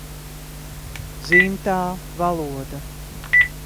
Dzimtā valoda